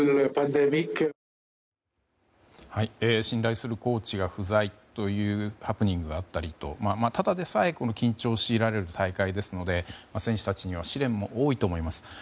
信頼するコーチが不在というハプニングがあったりと、ただでさえ緊張を強いられる大会ですので選手たちには試練も多いと思います。